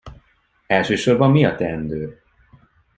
Elsősorban mi a teendő?